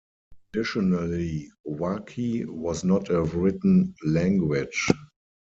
Traditionally Wakhi was not a written language.